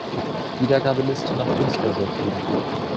Wiedergabeliste nach Künstler sortieren.